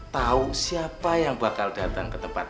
tahu siapa yang bakal datang ke tempat